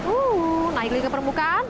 uh naik lagi ke permukaan